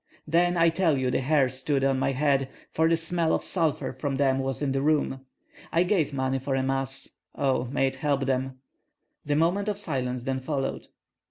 Then I tell you the hair stood on my head, for the smell of sulphur from them was in the room. I gave money for a Mass. Oh, may it help them!" A moment of silence then followed.